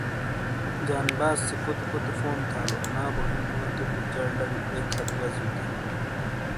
جانباز سے کوتے کوتے فون تھالو انا بو ہین وتو تو چل ڈنگ ایک ہتھ وزیوں تھے ۔